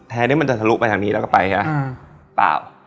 ที่มันจะทะลุไปทางนี้แล้วก็ไปใช่ไหมเปล่า